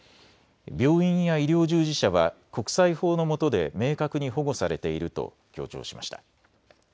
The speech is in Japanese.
病院や医療従事者は国際法のもとで明確に保護されていると強調しました。